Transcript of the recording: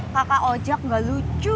kakak ojak gak lucu